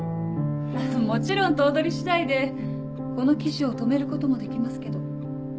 もちろん頭取次第でこの記事を止めることもできますけど。